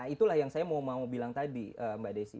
itulah yang saya mau bilang tadi mbak desi